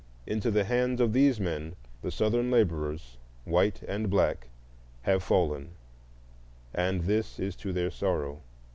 Into the hands of these men the Southern laborers, white and black, have fallen; and this to their sorrow.